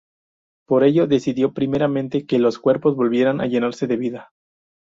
Por ello decidió primeramente que los cuerpos volvieran a llenarse de vida.